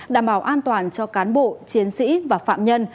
đảm bảo an toàn cho cán bộ chiến sĩ và phạm nhân